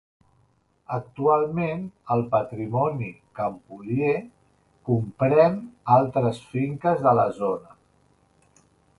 Actualment el patrimoni Campolier comprèn altres finques de la zona.